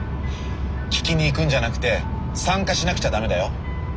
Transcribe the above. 聴きに行くんじゃなくて参加しなくちゃ駄目だよ。